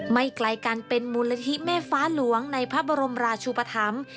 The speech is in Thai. ไกลกันเป็นมูลนิธิแม่ฟ้าหลวงในพระบรมราชุปธรรม